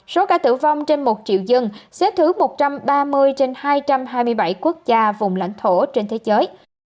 số ca tử vong trên một triệu dân xếp thứ một trăm ba mươi trên hai trăm hai mươi bảy quốc gia vùng lãnh thổ trên thế giới